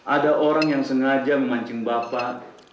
ada orang yang sengaja memancing bapak